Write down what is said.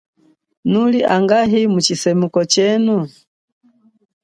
Nuli angahi mutshisemuko chenu ?